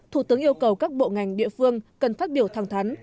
thủ tướng yêu cầu các bộ ngành địa phương cần phát biểu thẳng thắn